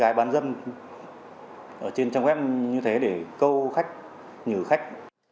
tái bán dâm ở trên trang web như thế để câu khách nhử khách